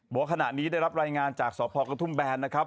ตอนนี้ได้รับรายงานจากสอบพกระทุ่มแบรนด์นะครับ